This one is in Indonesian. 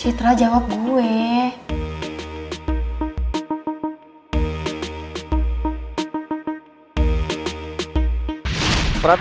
citra kan gue lagi cerita